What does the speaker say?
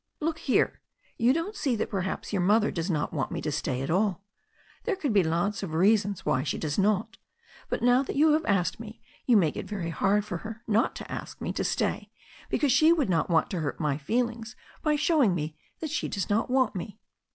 "Look here. You don't see that perhaps your mother does not want me to stay at all. There could be lots of reasons why she does not, but now that you have asked me you make it very hard for her not to ask me to stay because she would not want to hurt my feelings by showing me that she does not want me.